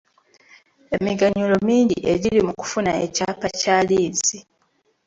Emiganyulo mingi egiri mu kufuna ekyapa kya liizi.